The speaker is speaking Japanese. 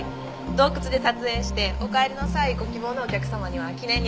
洞窟で撮影してお帰りの際ご希望のお客様には記念にお求め頂いてます。